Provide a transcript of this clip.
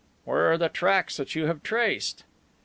"Where are the tracks that you have traced?"